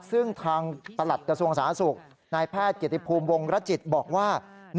ซึ่งทางประหลัดกระทรวงสาธารณสุขนายแพทย์เกียรติภูมิวงรจิตบอกว่า